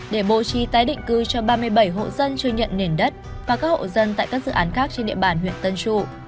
để bố trí tái định cư cho ba mươi bảy hộ dân chưa nhận nền đất và các hộ dân tại các dự án khác trên địa bàn huyện tân trụ